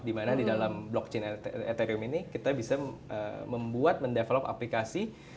dimana di dalam blockchain etherium ini kita bisa membuat mendevelop aplikasi